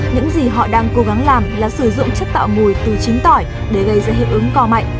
những gì họ đang cố gắng làm là sử dụng chất tạo mùi từ chính tỏi để gây ra hiệu ứng co mạnh